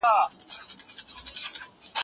رابعه ګل له پاڼې سره نږدې ناسته وه.